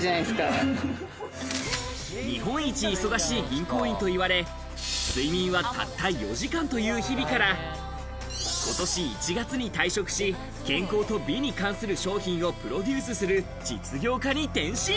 日本一忙しい銀行員といわれ睡眠はたった４時間という日々から、ことし１月に退職し、健康と美に関する商品をプロデュースする実業家に転身。